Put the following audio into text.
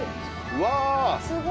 うわ。